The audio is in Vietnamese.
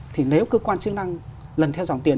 thì nếu cơ quan chức năng lần theo dòng tiền